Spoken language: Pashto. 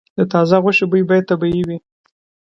د تازه غوښې بوی باید طبیعي وي.